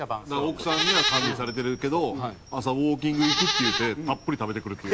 奥さんには管理されてるけど朝「ウォーキング行く」って言うてたっぷり食べてくるっていう。